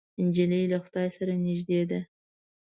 نجلۍ له خدای سره نږدې ده.